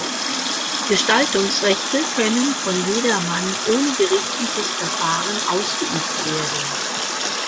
Gestaltungsrechte können von jedermann ohne gerichtliches Verfahren ausgeübt werden.